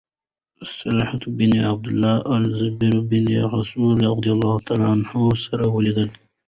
طلحة بن عبد الله او الزبير بن العوام رضي الله عنهما سره ولیدل